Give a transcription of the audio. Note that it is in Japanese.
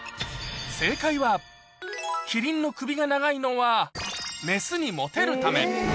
正解は、キリンの首が長いのは、雌にもてるため。